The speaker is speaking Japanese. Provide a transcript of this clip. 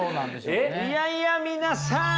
いやいや皆さん！